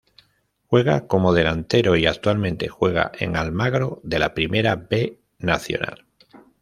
Juega como delantero y actualmente juega en Almagro de la Primera B Nacional.